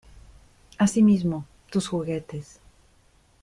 Así mismo. Tus juguetes .